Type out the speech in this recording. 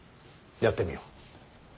やってみよ。